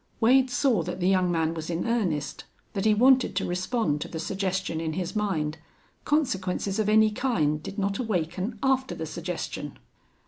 Wade saw that the young man was in earnest, that he wanted to respond to the suggestion in his mind. Consequences of any kind did not awaken after the suggestion.